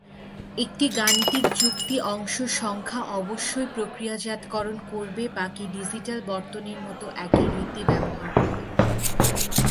একটি গাণিতিক যুক্তি অংশ সংখ্যা অবশ্যই প্রক্রিয়াজাতকরণ করবে বাকি ডিজিটাল বর্তনীর মত একই রীতি ব্যবহার করে।